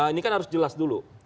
ini kan harus jelas dulu